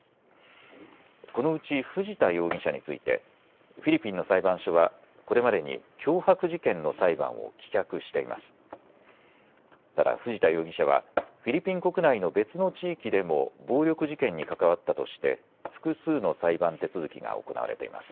このうち藤田容疑者についてフィリピンの裁判所はこれまでに脅迫事件の裁判を棄却しています。